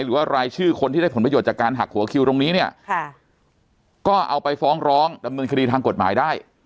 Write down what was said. หรือว่ารายชื่อคนที่ได้ผลประโยชน์จากการหักหัวคิวตรงนี้เนี่ยก็เอาไปฟ้องร้องดำเนินคดีทางกฎหมายได้